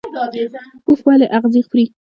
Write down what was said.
اوښ ولې اغزي خوري؟